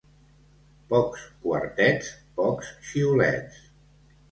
Pocs quartets, pocs xiulets.